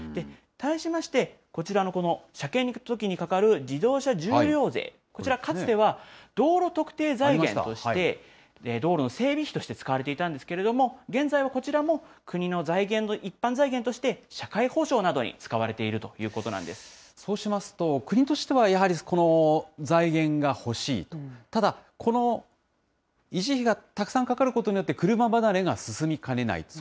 対しまして、こちらのこの車検のときにかかる自動車重量税、こちら、かつては道路特定財源として、道路の整備費として使われていたんですけれども、現在はこちらも、国の財源、一般財源として、社会保障などに使われているというこそうしますと、国としては、やはりこの財源が欲しい、ただ、この維持費がたくさんかかることによって、車離れが進みかねない。